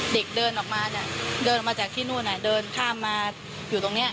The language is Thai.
เด็กเดินออกมาเนี่ยเดินออกมาจากที่นู่นเดินข้ามมาอยู่ตรงนี้